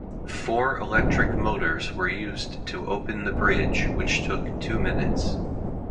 Four electric motors were used to open the bridge, which took two minutes.